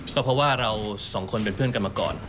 ก็เพราะว่าเราสองคนเป็นเพื่อนกันมาก่อน